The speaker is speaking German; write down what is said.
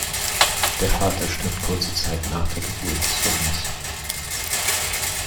Der Vater stirbt kurze Zeit nach der Geburt des Sohnes.